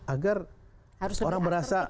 agar orang merasa